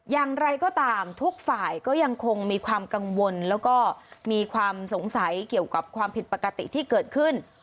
อย่างไรก็ตามทุกฝ่ายก็ยังคงมีความกังวลแล้วก็มีความสงสัยเกี่ยวกับความผิดปกติที่เกิดขึ้น